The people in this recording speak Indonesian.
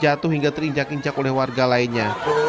jatuh hingga terinjak injak oleh warga lainnya